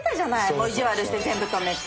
もう意地悪して全部止めて。